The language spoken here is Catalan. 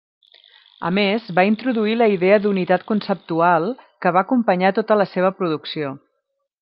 A més, va introduir la idea d'unitat conceptual que va acompanyar tota la seva producció.